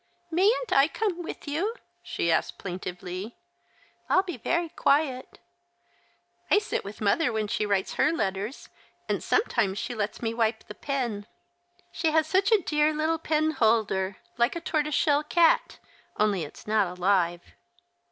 " Mayn't I come with you ?" she asked plaintively. " I'll be very quiet. I sit with mother when she writes her letters, and sometimes she lets me wipe the pen. tShe has such a dear little penholder, like a tortoise shell cat, only it's not alive."